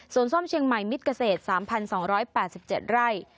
ส่วนซ่อมเชียงใหม่มิตรเกษตร๓๒๘๗ไร่